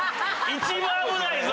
一番危ないぞ！